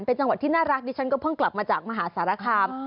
เป็นจังหวัดที่น่ารักดิฉันก็เพิ่งกลับมาจากมหาสารคาม